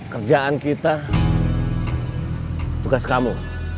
kerjaan kita tukas kamu